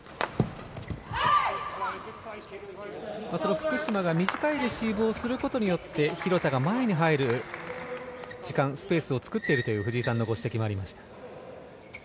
福島が短いレシーブをすることによって廣田が前に入る時間とスペースを作っているという藤井さんのご指摘もありました。